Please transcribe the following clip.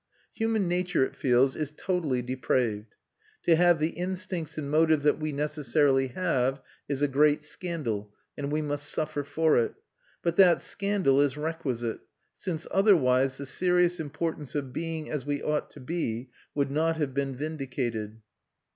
Human nature, it feels, is totally depraved: to have the instincts and motives that we necessarily have is a great scandal, and we must suffer for it; but that scandal is requisite, since otherwise the serious importance of being as we ought to be would not have been vindicated.